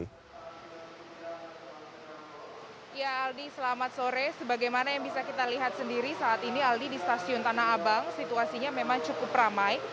ya aldi selamat sore sebagaimana yang bisa kita lihat sendiri saat ini aldi di stasiun tanah abang situasinya memang cukup ramai